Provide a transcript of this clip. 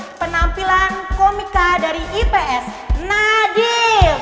sambut penampilan komika dari ips nadir